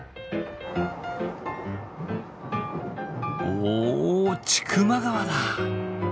お千曲川だ！